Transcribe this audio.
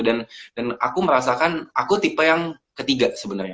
dan aku merasakan aku tipe yang ketiga sebenarnya